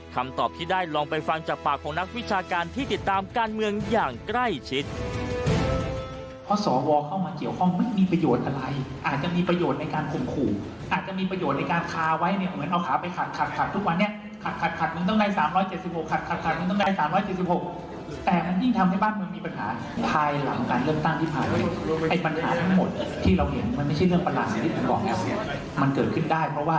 คำตอบที่ได้ลองไปฟังจากปากของนักวิชาการที่ติดตามการเมืองอย่างใกล้ชิด